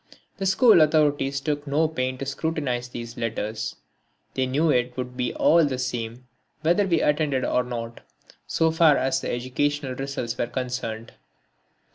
The school authorities took no pains to scrutinise these letters, they knew it would be all the same whether we attended or not, so far as educational results were concerned.